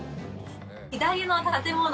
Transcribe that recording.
左の建物。